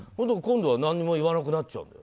今度は何も言わなくなっちゃう。